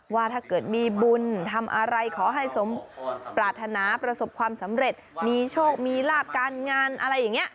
ว่าถ้าเกิดมีบุญทำอะไรขอให้สมปรารถนาประสบความสำเร็จมีโชคมีลาบการงานอะไรอย่างนี้